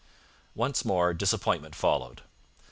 Once more disappointment followed.